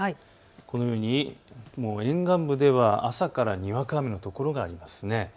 このように沿岸部では朝からにわか雨の所があります。